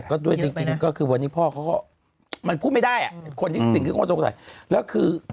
ก็ด้วยจริงวันนี้พ่อเขาก็บอกมันพูดไม่ได้สิ่งคิดของข้าสงสัย